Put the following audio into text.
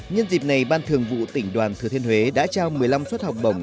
nhân dịp này ban thường vụ tỉnh đoàn thừa thiên huế đã trao một mươi năm suất học bổng